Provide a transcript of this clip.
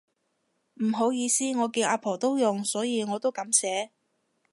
唔好意思，我見阿婆都用所以我都噉寫